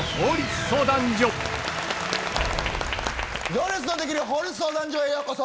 『行列のできる法律相談所』へようこそ。